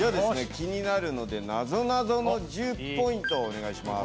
気になるのでなぞなぞの１０ポイントお願いします